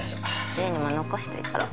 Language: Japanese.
優にも残しといたろ